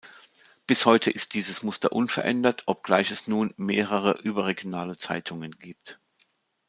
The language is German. Bis heute ist dieses Muster unverändert, obgleich es nun mehrere überregionale Zeitungen gibt.